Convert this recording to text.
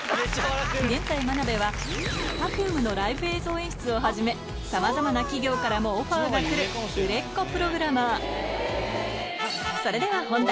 現在真鍋はＰｅｒｆｕｍｅのライブ映像演出をはじめさまざまな企業からもオファーがくるそれでは本題！